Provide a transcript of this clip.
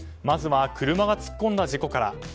まずは車が突っ込んだ事故から。